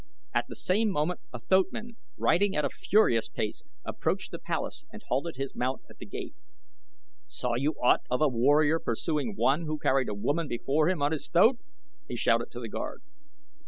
At the same moment a thoatman, riding at a furious pace, approached the palace and halted his mount at the gate. "Saw you aught of a warrior pursuing one who carried a woman before him on his thoat?" he shouted to the guard.